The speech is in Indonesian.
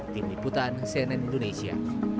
tim liputan cnn indonesia